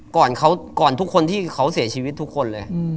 ก่อนทุกคนที่เขาเสียชีวิตทุกคนเลย